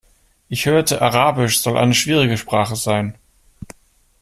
Ich hörte, Arabisch soll eine schwierige Sprache sein.